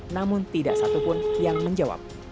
namun tidak satu pun yang menjawab